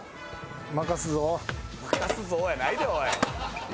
「任すぞぉ」やないでおい。